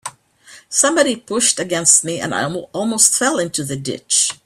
Somebody pushed against me, and I almost fell into the ditch.